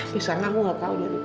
bisa gak aku gak tau dia itu kenapa